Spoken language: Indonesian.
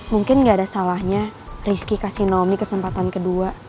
mungkin gak ada salahnya rizky kasih nomi kesempatan kedua